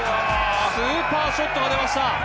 スーパーショットが出ました。